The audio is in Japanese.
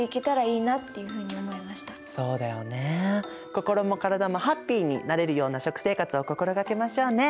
心もからだもハッピーになれるような食生活を心掛けましょうね。